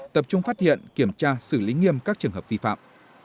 tập trung phát hiện kiểm tra xử lý nghiêm các trường hợp vi phạm